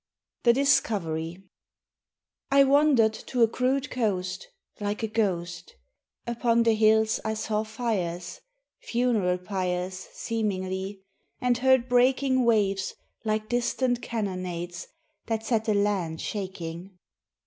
THE DISCOVERY I WANDERED to a crude coast Like a ghost; Upon the hills I saw fires— Funeral pyres Seemingly—and heard breaking Waves like distant cannonades that set the land shaking.